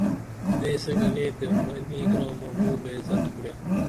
دیسے گنے تے منی گرامہ مو بیزت کُرے